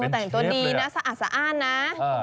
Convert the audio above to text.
เป็นเชฟเลยนะเลยในตัวดีสะอาดนะ